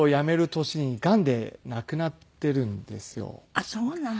あっそうなの。